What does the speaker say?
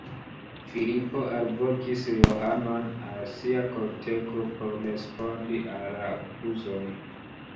Filipo alvokis Johanon al sia kortego por respondi al la akuzoj.